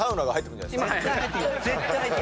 絶対入ってくる。